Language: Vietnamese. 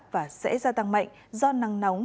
và sẽ gia tăng mạnh do năng nóng